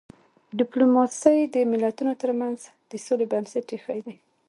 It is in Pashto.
ډيپلوماسي د ملتونو ترمنځ د سولې بنسټ ایښی دی.